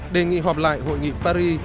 đề nghị họp lại hội nghị paris